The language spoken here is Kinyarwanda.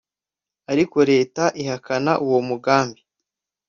ariko leta ihakana uwo mugambi